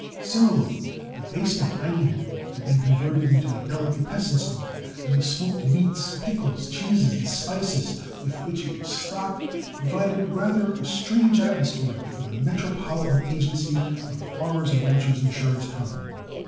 Similarly the basement dining room had been converted into a delicatessen store, and the smoked meats, pickles, cheese and spices with which it was stocked provided rather a strange atmosphere for the Metropolitan Agency of the Farmers and Ranchers' Insurance Company.